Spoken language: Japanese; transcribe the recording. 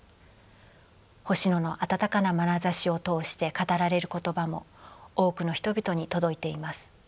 星野の温かなまなざしを通して語られる言葉も多くの人々に届いています。